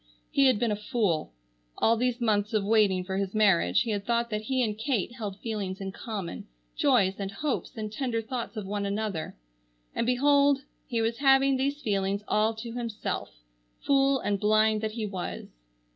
He had been a fool. All these months of waiting for his marriage he had thought that he and Kate held feelings in common, joys and hopes and tender thoughts of one another; and, behold, he was having these feelings all to himself, fool and blind that he was!